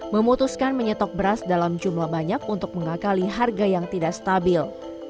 memutuskan menyetok beras dalam jumlah banyak untuk mengakali harga yang tidak stabil